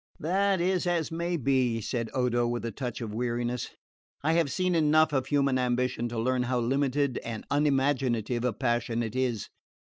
"That is as it may be," said Odo with a touch of weariness. "I have seen enough of human ambition to learn how limited and unimaginative a passion it is.